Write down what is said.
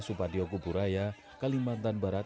supadio kuburaya kalimantan barat